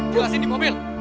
jelasin di mobil